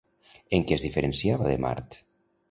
En què es diferenciava de Mart?